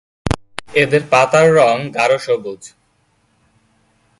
এদের পাতার রঙ গাঢ়-সবুজ।